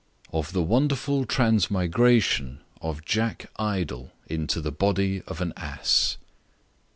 Of the wonderful Transmigration of Jack Idle into the body of an ass.